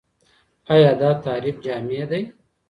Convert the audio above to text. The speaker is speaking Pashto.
ايا دا تعريف جامع دی؟